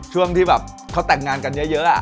ช่วงที่แบบเขาแต่งงานกันเยอะ